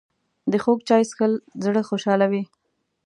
د خوږ چای څښل زړه خوشحالوي